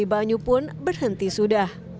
ibu pun berhenti sudah